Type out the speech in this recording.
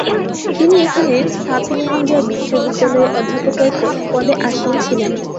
তিনি এখানে সাপিয়েনজা বিশ্ববিদ্যালয়ে অধ্যাপকের পদে আসীন ছিলেন।